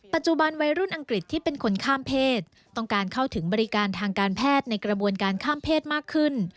ปัจจุบันวัยรุ่นอังกฤษที่เป็นคนข้ามเพศต้องการเข้าถึงบริการทางการแพทย์ในกระบวนการข้ามเพศมากขึ้น